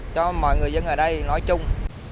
cho mọi người dân ở đây nói chung